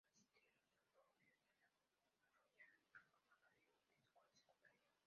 Asistió en los suburbios a la "Loyola Academy" de escuela secundaria.